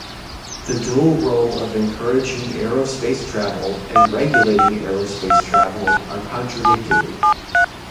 The dual role of encouraging aerospace travel and regulating aerospace travel are contradictory.